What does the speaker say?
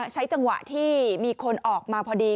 ใช้จังหวะที่มีคนออกมาพอดี